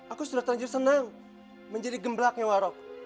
aku sudah terlalu senang menjadi gemblaknya warog